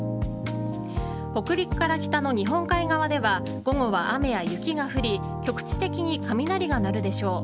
北陸から北の日本海側では午後は雨や雪が降り局地的に雷がなるでしょう。